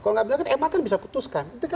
kalau enggak benar kan ma kan bisa putuskan